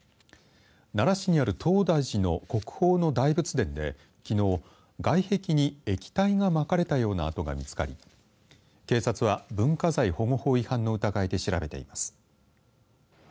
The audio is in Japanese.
奈良市にある東大寺の国宝の大仏殿できのう外壁に液体がまかれたような跡が見つかり警察は文化財保護法違反の疑いで調べています。